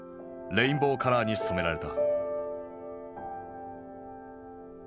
レインボーカラーに染められた。